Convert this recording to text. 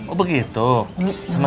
oh begitu sama siapa ma